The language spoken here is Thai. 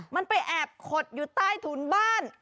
มันไปแอบขดอยู่ใต้ถุนบ้าน